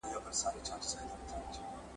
نه په داړو کي یې زور سته د څیرلو `